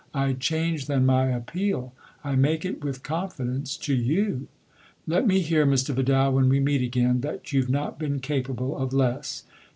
" I change, then, my appeal I make it, with confidence, to you. Let me hear, Mr. Vidal, when we meet again, that you've not been capable of less